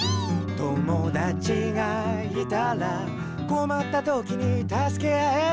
「友だちがいたらこまったときにたすけ合える」